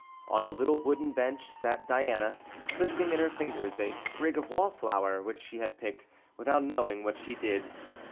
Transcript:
On a little wooden bench sat Diana, twisting in her fingers a sprig of wall flower, which she had picked, without knowing what she did.